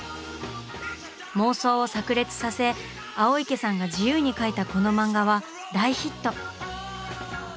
「妄想」を炸裂させ青池さんが自由に描いたこの漫画は大ヒット！